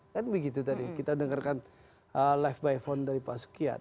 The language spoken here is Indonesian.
kan begitu tadi kita dengarkan live by phone dari pak sukian